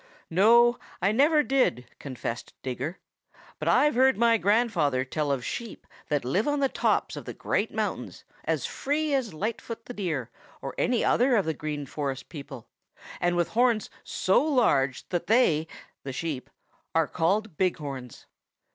"No, I never did," confessed Digger, "but I've heard my grandfather tell of Sheep that live on the tops of the great mountains as free as Light foot the Deer or any other of the Green Forest people, and with horns so large that they, the Sheep, are called Big Horns.